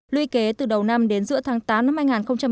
luy kế từ đầu năm đến giữa tháng tám năm hai nghìn một mươi chín